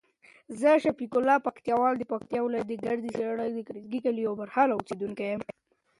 په خیرخانه کې د ترافیکو بېروبار ډېر بې کچې و.